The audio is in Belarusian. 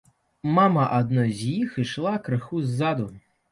Мама адной з іх ішла крыху ззаду.